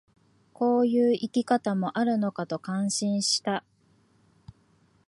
こういう生き方もあるのかと感心した